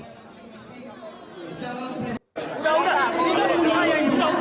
dan penyihir penghalang courageous woman sudah memberikan tavalla demer ke marsha crash